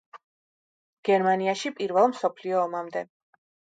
გერმანიაში პირველ მსოფლიო ომამდე.